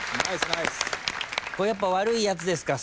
これやっぱ悪いやつですか？